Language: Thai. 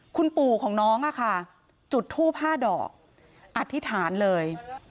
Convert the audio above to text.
คุณปู่ของน้องอะค่ะจุดทูบ๕ดอกอธิษฐานเลย